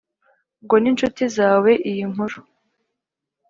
ngo n’inshuti zawe iyi nkuru